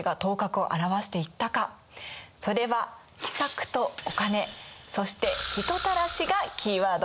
それは「奇策」と「お金」そして「人たらし」がキーワード。